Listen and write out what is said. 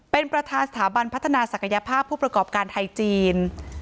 เป็นประธานสถาบันพัฒนาศักยภาพผู้ประกอบการไทยจีน